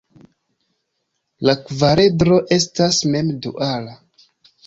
La kvaredro estas mem duala.